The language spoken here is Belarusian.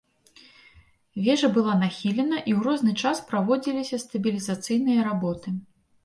Вежа была нахілена, і ў розны час праводзіліся стабілізацыйныя работы.